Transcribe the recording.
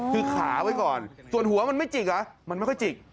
คือขาไว้ก่อนส่วนหัวมันไม่จิกเหรอมันไม่ค่อยจิก